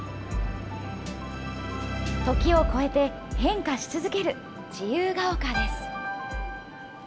時を超えて、変化し続ける自由が丘です。